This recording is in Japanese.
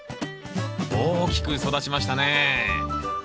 大きく育ちましたね